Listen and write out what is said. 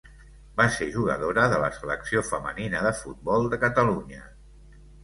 Va ser jugadora de la Selecció femenina de futbol de Catalunya.